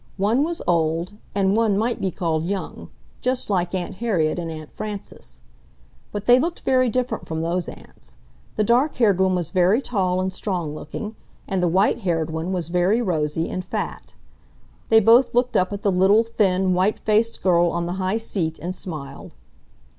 One was old and one might be called young, just like Aunt Harriet and Aunt Frances. But they looked very different from those aunts. The dark haired one was very tall and strong looking, and the white haired one was very rosy and fat. They both looked up at the little, thin, white faced girl on the high seat, and smiled.